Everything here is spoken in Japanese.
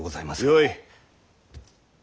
よい。